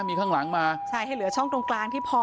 มีข้างหลังมาใช่ให้เหลือช่องตรงกลางที่พอ